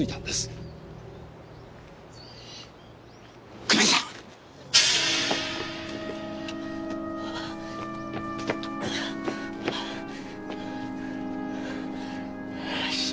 よし。